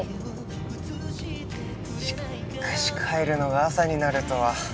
しっかし帰るのが朝になるとは。